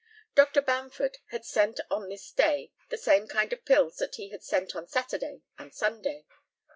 Dr. Bamford had sent on this day the same kind of pills that he had sent on Saturday and Sunday.